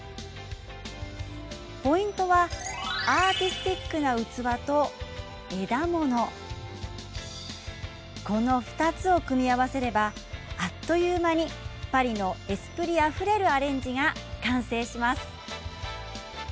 ポイントはアーティスティックな器と枝ものこの２つを組み合わせればあっという間にパリのエスプリあふれるアレンジが完成します。